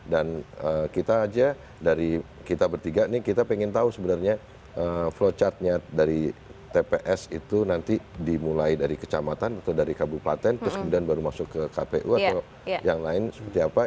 dan kita aja dari kita bertiga nih kita pengen tahu sebenarnya flowchart nya dari tps itu nanti dimulai dari kecamatan atau dari kabupaten terus kemudian baru masuk ke kpu atau yang lain seperti apa